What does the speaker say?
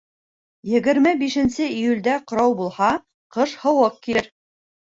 Егерме бишенсе июлдә ҡырау булһа, ҡыш һыуыҡ килер.